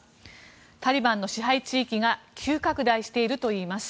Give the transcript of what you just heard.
タリバンの支配地域が急拡大しているといいます。